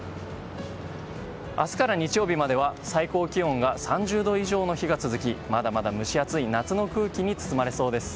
明日から日曜日までは最高気温が３０度以上の日が続きまだまだ蒸し暑い夏の空気に包まれそうです。